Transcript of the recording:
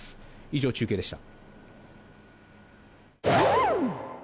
以上、中継でした。